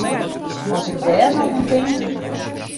As ik dêr noch oan tink!